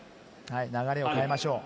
流れを変えましょう。